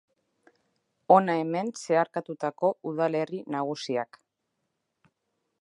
Hona hemen zeharkatutako udalerri nagusiak.